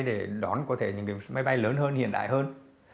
để đón có thể những máy bay lớn hơn hiện đại hơn